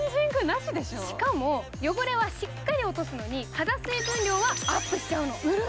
しかも、汚れはしっかり落とすのに肌水分量はアップしちゃうの。